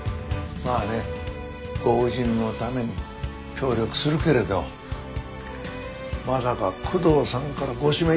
まあねご婦人のために協力するけれどまさか久遠さんからご指名いただくとはね。